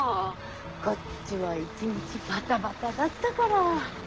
こっちも一日バタバタだったから。